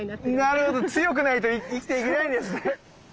なるほど強くないと生きていけないんですね。